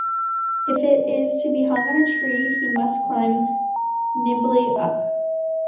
If it is to be hung on a tree, he must climb nimbly up.